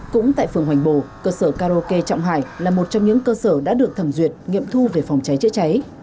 cũng tại phường hoành bồ cơ sở karaoke trọng hải là một trong những cơ sở đã được thẩm duyệt nghiệm thu về phòng cháy chữa cháy